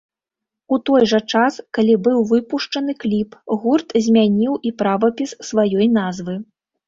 У той жа час, калі быў выпушчаны кліп, гурт змяніў і правапіс сваёй назвы.